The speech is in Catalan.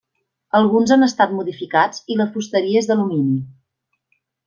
Alguns han estat modificats i la fusteria és d'alumini.